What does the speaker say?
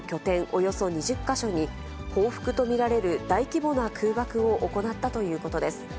およそ２０か所に、報復と見られる大規模な空爆を行ったということです。